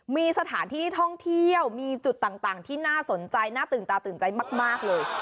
มีสถานที่ท่องเที่ยวมีจุดต่างที่น่าสนใจน่าตื่นตาตื่นใจมากเลย